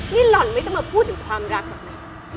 นี่หล่อนไม่ต้องมาพูดถึงความรักหรอกนะ